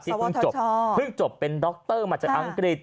ที่เพิ่งจบเป็นดรมาจากอังกฤษ